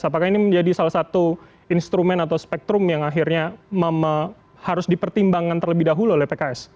apakah ini menjadi salah satu instrumen atau spektrum yang akhirnya harus dipertimbangkan terlebih dahulu oleh pks